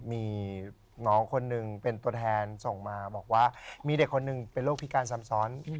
มีน้องคนหนึ่งเป็นตัวแทนส่งมาบอกว่ามีเด็กคนหนึ่งเป็นโรคพิการซ้ำซ้อน